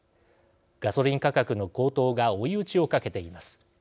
ガソリン価格の高騰が追い打ちをかけています。